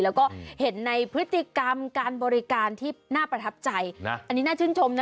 แล้วก็เห็นในพฤติกรรมการบริการที่น่าประทับใจอันนี้น่าชื่นชมนะ